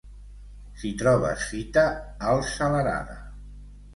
Si trobes fita, alça l'arada.